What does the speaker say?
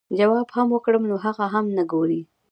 جواب هم وکړم نو هغه هم نۀ ګوري -